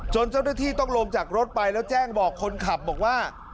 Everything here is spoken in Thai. เจ้าหน้าที่ต้องลงจากรถไปแล้วแจ้งบอกคนขับบอกว่า